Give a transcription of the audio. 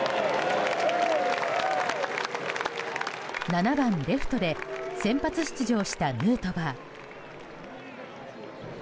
７番レフトで先発出場したヌートバー。